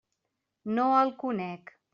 No el conec.